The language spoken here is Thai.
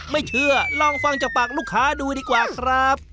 ไม่เชื่อลองฟังจากปากลูกค้าดูดีกว่าครับ